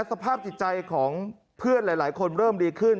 สภาพจิตใจของเพื่อนหลายคนเริ่มดีขึ้น